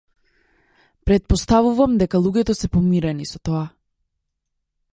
Претпоставувам дека луѓето се помирени со тоа.